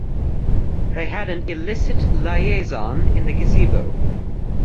They had an illicit liaison in the gazebo.